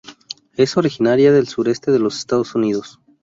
Es originaria del sureste de los Estados Unidos.